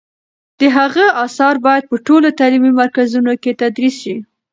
د هغه آثار باید په ټولو تعلیمي مرکزونو کې تدریس شي.